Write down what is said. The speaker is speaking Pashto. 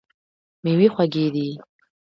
میوې خوږې دي.